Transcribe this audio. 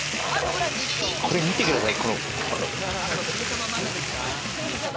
これ見てください。